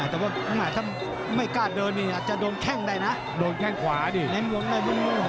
ถ้าไม่กล้าเดินอาจจะโดนแข้งได้นะ